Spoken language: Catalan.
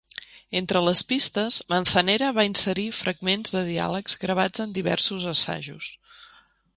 Entre les pistes, Manzanera va inserir fragments de diàlegs gravats en diversos assajos.